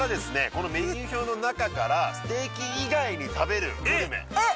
このメニュー表の中からステーキ以外に食べるグルメえっ？